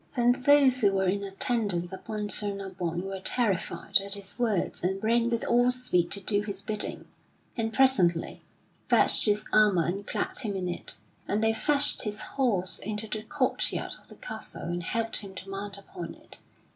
Then those who were in attendance upon Sir Nabon were terrified at his words and ran with all speed to do his bidding, and presently fetched his armor and clad him in it; and they fetched his horse into the courtyard of the castle and helped him to mount upon it.